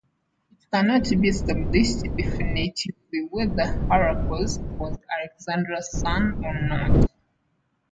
It cannot be established definitively whether Heracles was Alexander's son or not.